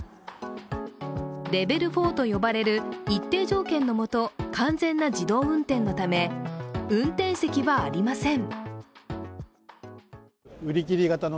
レベル４と呼ばれる一定条件のもと完全な自動運転のため運転席はありません。